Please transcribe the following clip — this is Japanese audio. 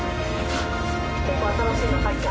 結構新しいの入ってる。